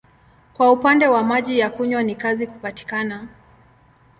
Kwa upande wa maji ya kunywa ni kazi kupatikana.